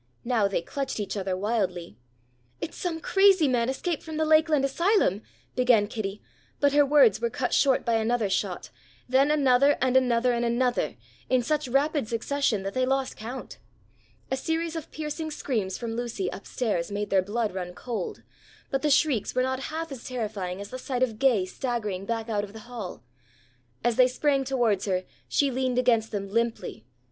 Now they clutched each other wildly. "It's some crazy man escaped from the Lakeland asylum," began Kitty, but her words were cut short by another shot, then another and another and another, in such rapid succession that they lost count. A series of piercing screams from Lucy, up stairs, made their blood run cold, but the shrieks were not half as terrifying as the sight of Gay staggering back out of the hall. As they sprang towards her she leaned against them limply.